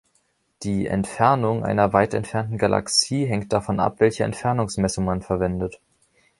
Die „Entfernung“ einer weit entfernten Galaxie hängt davon ab, welche Entfernungsmessung man verwendet.